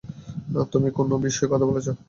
তুমি কোন বিষয়ে কথা বলছো?